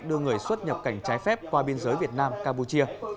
đưa người xuất nhập cảnh trái phép qua biên giới việt nam campuchia